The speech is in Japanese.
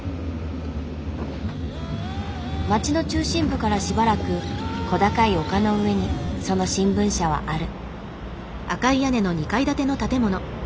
町の中心部からしばらく小高い丘の上にその新聞社はある。